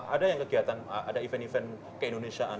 ada yang kegiatan ada event event ke indonesiaan